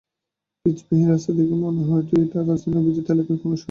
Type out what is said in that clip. পিচবিহীন রাস্তা দেখে মনেই হবে না, এটা রাজধানীর অভিজাত এলাকার কোনো সড়ক।